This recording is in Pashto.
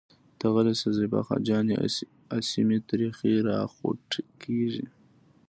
ته غلې شه زېبا جانې اسې مې تريخی راخوټکېږي.